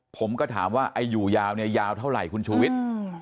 ผมก็ถามว่าอายุยาวยาวเท่าไหร่คุณชูวิทย์